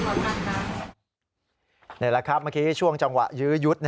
นี่แหละครับเมื่อกี้ช่วงจังหวะยื้อยุด